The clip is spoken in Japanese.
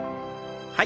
はい。